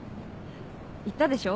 言ったでしょ？